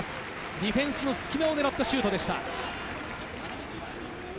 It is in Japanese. ディフェンスの隙間を狙ったシュートでした。